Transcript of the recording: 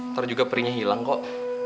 ntar juga perinya hilang kok